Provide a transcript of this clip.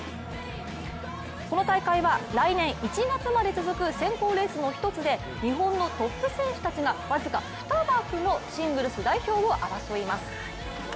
この大会は来年１月まで続く選考レースの一つで日本のトップ選手たちが僅か２枠のシングルス代表を争います。